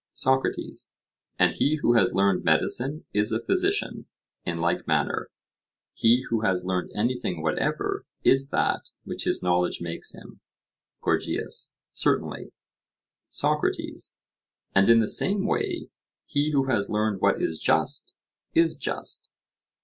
SOCRATES: And he who has learned medicine is a physician, in like manner? He who has learned anything whatever is that which his knowledge makes him. GORGIAS: Certainly. SOCRATES: And in the same way, he who has learned what is just is just?